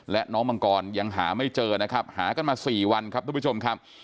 และน้องมังกรยังหาไม่เจอนะครับหากันมา๔วันครับทุกผู้ชมครับ